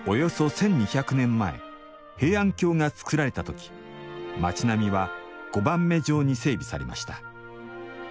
１２００年前平安京がつくられたとき町並みは碁盤目状に整備されました。